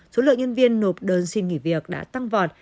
số lượng nhân viên nộp đơn xin nghỉ việc đã tăng vọt